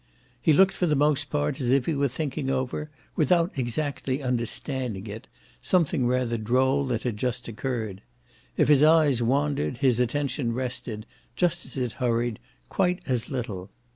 He looked for the most part as if he were thinking over, without exactly understanding it, something rather droll that had just occurred; if his eyes wandered his attention rested, just as it hurried, quite as little.